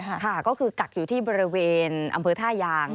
ค่ะก็คือกักอยู่ที่บริเวณอำเภอท่ายาง